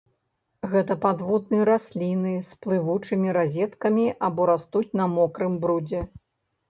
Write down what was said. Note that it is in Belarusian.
Гэта падводныя расліны з плывучымі разеткамі або растуць на мокрым брудзе.